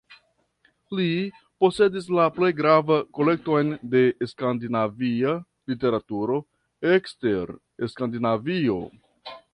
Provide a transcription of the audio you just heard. Li posedis la plej grava kolekton de skandinavia literaturo ekster Skandinavio.